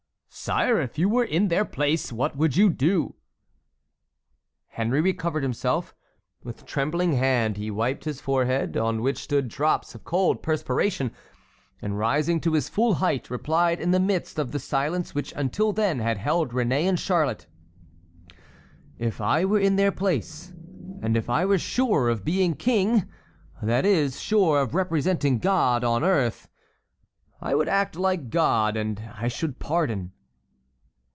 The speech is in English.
Sire, if you were in their place what would you do?" Henry recovered himself. With trembling hand he wiped his forehead, on which stood drops of cold perspiration, and rising to his full height, replied in the midst of the silence which until then had held Réné and Charlotte: "If I were in their place, and if I were sure of being king, that is, sure of representing God on earth, I would act like God, I should pardon."